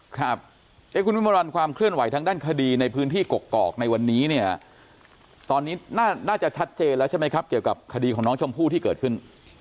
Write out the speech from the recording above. ครับคุณวิมวลวันความเคลื่อนไหวทางด้านคดีในพื้นที่กกอกในวันนี้เนี่ยตอนนี้น่าจะชัดเจนแล้วใช่ไหมครับเกี่ยวกับคดีของน้องชมพู่ที่เกิดขึ้น